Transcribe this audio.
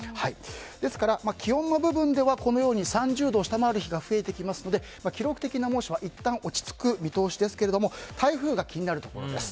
ですから気温の部分ではこのように３０度を下回る日が増えていきますので記録的な猛暑はいったん落ち着く見通しですけれども台風が気になるところです。